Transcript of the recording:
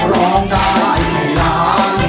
ร้องได้ให้ล้าน